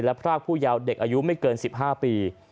และพรากผู้ยาวเด็กอายุไม่เกิน๑๕ปี